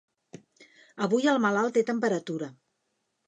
Avui el malalt té temperatura.